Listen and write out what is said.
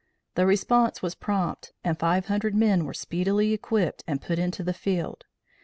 The response was prompt, and five hundred men were speedily equipped and put into the field.